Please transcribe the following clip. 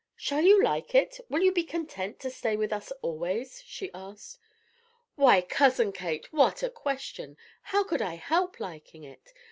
"Shall you like it? Will you be content to stay with us always?" she asked. "Why, Cousin Kate, what a question! How could I help liking it?